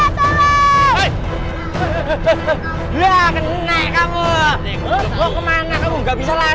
bella bella bangun bella